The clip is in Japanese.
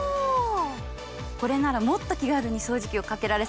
これならもっと気軽に掃除機をかけられそうですね。